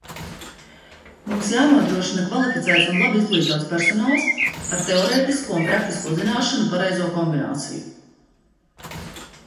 Mums jānodrošina kvalificēts un labi izglītots personāls ar teorētisko un praktisko zināšanu pareizo kombināciju.